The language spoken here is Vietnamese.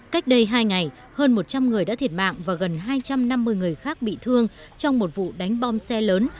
cách đây hai ngày hơn một trăm linh người đã thiệt mạng và gần hai trăm năm mươi người khác bị thương trong một vụ đánh bom xe lớn